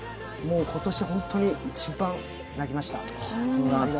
今年本当に一番泣きました。